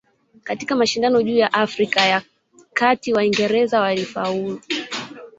Katika mashindano juu ya Afrika ya Kati Waingereza walifaulu